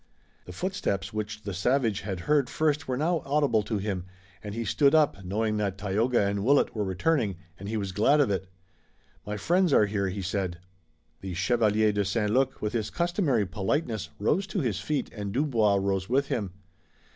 The footsteps which the savage had heard first were now audible to him, and he stood up, knowing that Tayoga and Willet were returning, and he was glad of it. "My friends are here," he said. The Chevalier de St. Luc, with his customary politeness, rose to his feet and Dubois rose with him.